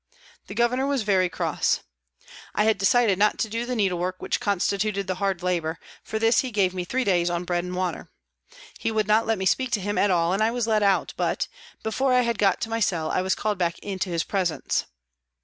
The Governor was very cross. I had decided not to do the needlework which constituted the hard labour, for this he gave me three days on bread and water. He would not let me speak to him at all and I was led out, but, before I had got to my cell, I was called back into his presence.